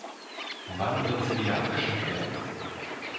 Wann wird sie wieder abgeschafft werden?